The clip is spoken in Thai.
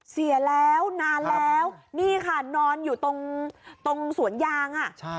เสียแล้วนานแล้วนี่ค่ะนอนอยู่ตรงสวนยาง